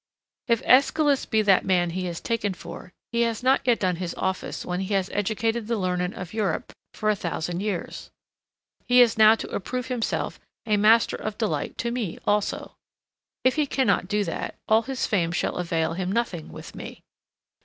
If Æschylus be that man he is taken for, he has not yet done his office when he has educated the learned of Europe for a thousand years. He is now to approve himself a master of delight to me also. If he cannot do that, all his fame shall avail him nothing with me.